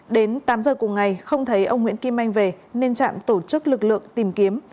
đến tám giờ cùng ngày không thấy ông nguyễn kim anh về nên trạm tổ chức lực lượng tìm kiếm